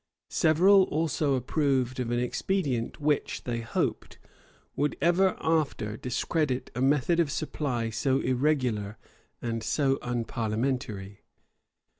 [*] Several also approved of an expedient which, they hoped, would ever after discredit a method of supply so irregular and so unparliamentary.